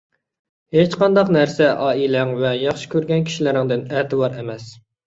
ھېچقانداق نەرسە ئائىلەڭ ۋە ياخشى كۆرگەن كىشىلىرىڭدىن ئەتىۋار ئەمەس.